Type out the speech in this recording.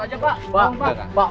mas sebentar aja pak